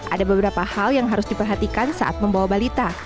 ada beberapa hal yang harus diperhatikan saat membawa balita